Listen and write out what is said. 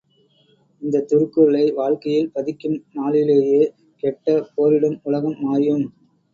இந்தத் திருக்குறளை வாழ்க்கையில் பதிக்கும் நாளிலேயே கெட்ட போரிடும் உலகம் மாயும்!